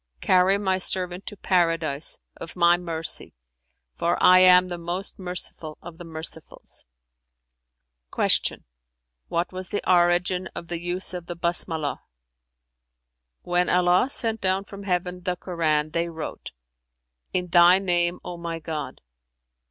Carry My servant to Paradise, of My mercy, for I am the most Merciful of the mercifuls!'" Q "What was the origin of the use of the Basmalah?" "When Allah sent down from Heaven the Koran, they wrote, 'In Thy name, O my God!'